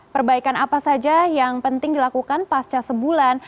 perbaikan apa saja yang penting dilakukan pasca sebulan